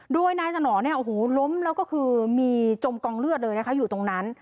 โดยนายสนอเนี่ยโอ้โหล้มแล้วก็คือมีจมกองเลือดเลยนะคะอยู่ตรงนั้น